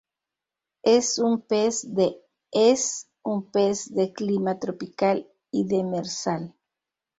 Es un pez de Es un pez de clima tropical y demersal.